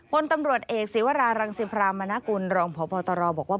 พลตำรวจเอกศิวรารังสิพรามณกุลรองพบตรบอกว่า